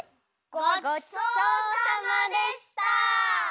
ごちそうさまでした！